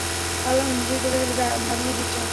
আল্লাহ নিজেই যাদের ভাগিয়ে দিচ্ছেন।